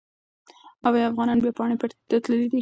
ایا افغانان بیا پاني پت ته تللي دي؟